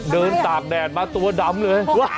ตากแดดมาตัวดำเลย